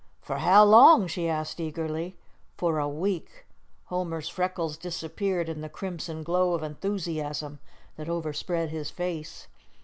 "For how long?" she asked eagerly. "For a week." Homer's freckles disappeared in the crimson glow of enthusiasm that overspread his face.